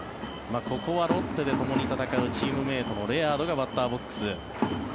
ここはロッテでともに戦うチームメートのレアードがバッターボックス。